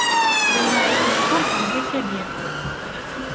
Займаюся спортам для сябе.